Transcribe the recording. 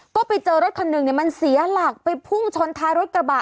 ก็ไปเจอรถคันหนึ่งมันเสียหลักไปพุ่งชนท้ายรถกระบะ